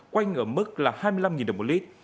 quanh ở mức là hai mươi năm đồng một lít